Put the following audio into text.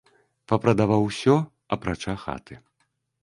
Папрадаваў усё, апрача хаты.